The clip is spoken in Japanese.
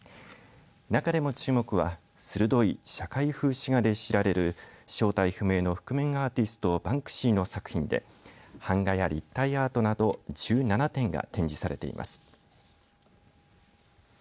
中でも注目は鋭い社会風刺画で知られる正体不明の覆面アーティストバンクシーの作品で版画や立体アートなど１７点が展示されています。